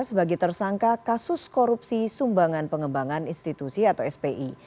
sebagai tersangka kasus korupsi sumbangan pengembangan institusi atau spi